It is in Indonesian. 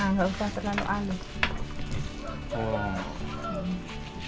nggak usah terlalu halus